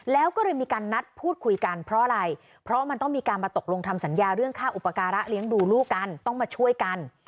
แล้วก็เลยมีการนัดพูดคุยกันเพราะอะไรเพราะมันต้องมีการมาตกลงทำสัญญาเรื่องค่าอุปการะเลี้ยงดูลูกกันต้องมาช่วยกัน